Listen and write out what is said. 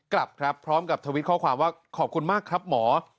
กลับครับพร้อมกับทวิตข้อความว่าขอบคุณมากครับหมอ